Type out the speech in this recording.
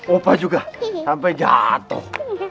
opa juga sampai jatuh